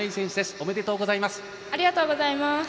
おめでとうございます。